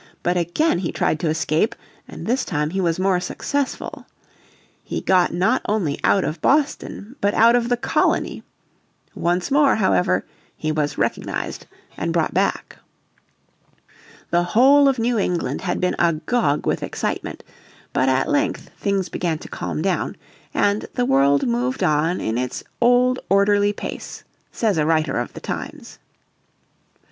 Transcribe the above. But again he tried to escape, and this time he was more successful. He got not only out of Boston, but out of the colony. Once more, however, he was recognised and brought back. The whole of New England had been agog with excitement, but at length things began to calm down, and "the world moved on in its old orderly pace," says a writer of the times.